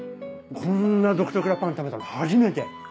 こんな独特なパン食べたの初めて！